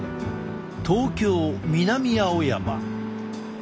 東京・南青山。